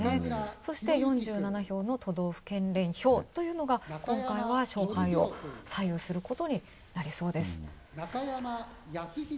そして、４７票の都道府県連票というのが今回は勝敗を左右することになりそうです。